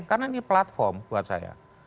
karena ini platform buat saya